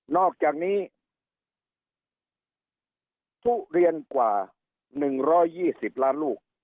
นอกจากนี้ทุเรียนกว่าหนึ่งร้อยยี่สิบล้านลูก